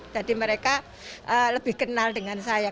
jadi mereka lebih kenal dengan saya